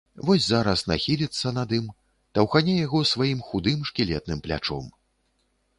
Вось зараз нахіліцца над ім, таўхане яго сваім худым шкілетным плячом.